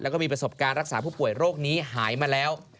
แล้วก็มีประสบการณ์รักษาผู้ป่วยโรคนี้หายมาแล้ว